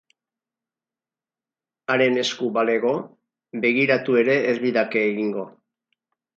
Haren esku balego, begiratu ere ez lidake egingo.